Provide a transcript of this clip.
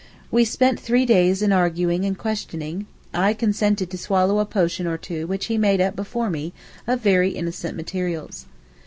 We spent three days in arguing and questioning; I consented to swallow a potion or two which he made up before me, of very innocent materials.